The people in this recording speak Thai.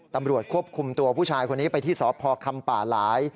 ตำรวจควบคุมตัวผู้ชายคนนี้ไปที่สพคำป่าหลาย